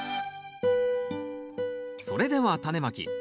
それではタネまき。